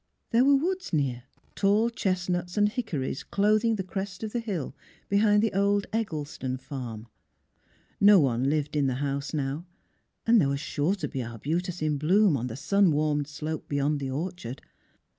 There were woods near, tall chestnuts and hickories clothing the crest of the hill behind the old Eggles ton farm. No one lived in the house now, and there was sure to be arbutus in bloom on the sun warmed slope beyond the orchard.